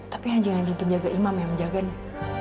tapi anjing anjing penjaga imam yang menjaga nih